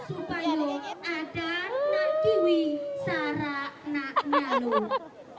supaya ada nanti wisara enaknya